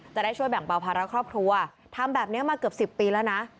จะได้ช่วยแบ่งเบาภาระครอบครัวทำแบบนี้มาเกือบ๑๐ปีแล้วนะ